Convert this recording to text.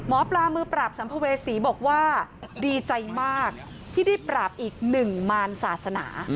หมอปลามือปราบสัมภเวษีบอกว่าดีใจมากที่ได้ปราบอีกหนึ่งมารศาสนา